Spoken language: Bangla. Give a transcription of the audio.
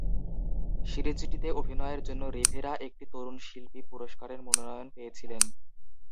সিরিজটিতে অভিনয়ের জন্য রিভেরা একটি তরুণ শিল্পী পুরস্কারের মনোনয়ন পেয়েছিলেন।